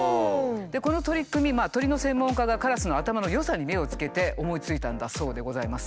でこの取り組み鳥の専門家がカラスの頭の良さに目をつけて思いついたんだそうでございます。